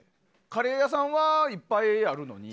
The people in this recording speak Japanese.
カレー屋さんはいっぱいあるのに。